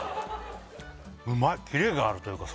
うまいキレがあるというかさ